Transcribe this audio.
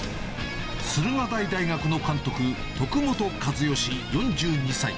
駿河台大学監督の徳本一善４２歳。